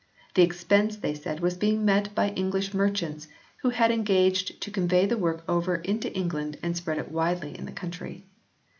The expense, they said, was being met by English merchants who had engaged to con vey the work over into England and spread it widely in the country.